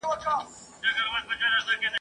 د باغلیو کښت په گټه د سلطان دئ !.